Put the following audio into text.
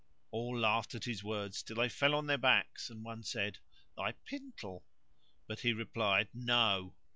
All laughed at his words till they fell on their backs, and one said, "Thy pintle!" But he replied, "No!"